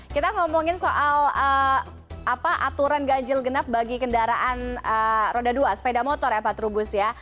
kita ngomongin soal aturan ganjil genap bagi kendaraan roda dua sepeda motor ya pak trubus ya